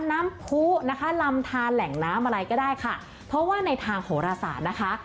ผู้นะคะลำทานแหล่งน้ำอะไรก็ได้ค่ะเพราะว่าในทางโหรศาสตร์นะคะ